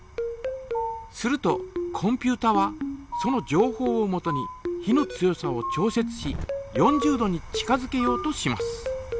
するとコンピュータはそのじょうほうをもとに火の強さを調節し４０度に近づけようとします。